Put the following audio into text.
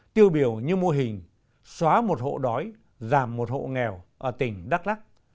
tiêu biểu như mô hình xóa một hộ đói giảm một hộ nghèo ở tỉnh đắk lắc